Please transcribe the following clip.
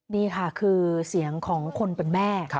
นี่ค่ะคือเสียงของคนเป็นแม่